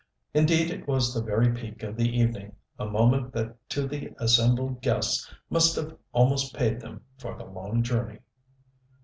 Indeed it was the very peak of the evening a moment that to the assembled guests must have almost paid them for the long journey.